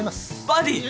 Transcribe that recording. バディー？